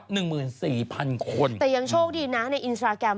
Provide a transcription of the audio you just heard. แต่ยังโชคดีนะในอินสตาร์แกรม